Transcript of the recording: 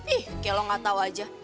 ih kayak lo gak tau aja